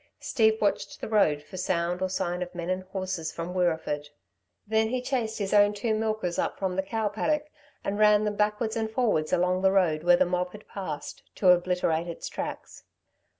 Steve watched the road for sound or sign of men and horses from Wirreeford. Then he chased his own two milkers up from the cow paddock and ran them backwards and forwards along the road where the mob had passed, to obliterate its tracks.